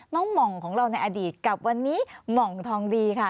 หม่องของเราในอดีตกับวันนี้หม่องทองดีค่ะ